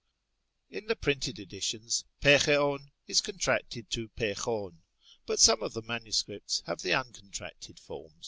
In the printed editions, πήχεων is contracted to πηχῶν ; but some of the MSS. have the uncontracted form.